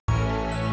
indi ku katil century